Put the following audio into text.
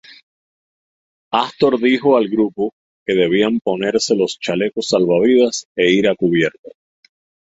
Astor dijo al grupo que debían ponerse los chalecos salvavidas e ir a cubierta.